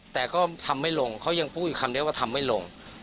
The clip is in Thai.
แต่ก็ทำไม่ลงเขายังพูดอีกคำเดียวว่าทำไม่ลง